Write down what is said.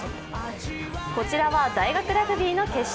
こちらは大学ラグビーの決勝。